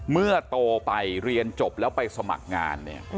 เมื่อโตไปเรียนจบแล้วไปสมัครงานเนี่ย